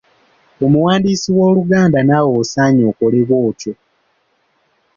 Omuwandiisi w’Oluganda naawe osaanye okole bw’otyo.